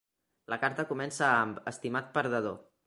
La carta comença amb "Estimat perdedor".